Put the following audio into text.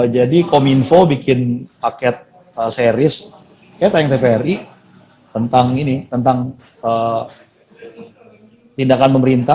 jadi kominfo bikin paket series kayak tayang tpri tentang ini tentang tindakan pemerintah